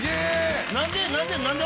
何で？